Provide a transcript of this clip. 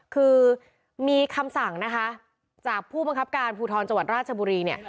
คือมีคำสั่งนะคะจากผู้บังคับการภูทรจังหวัดราชบุรีเนี่ย